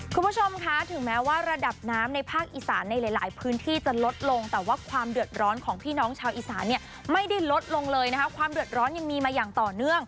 คุณผู้ชมคะถึงแม้ว่าระดับน้ำในภาคอีสานในหลายพื้นที่จะลดลงแต่ว่าความเดือดร้อนของพี่น้องชาวอีสานเนี่ยไม่ได้ลดลงเลยนะคะความเดือดร้อนยังมีมาอย่างต่อเนื่อง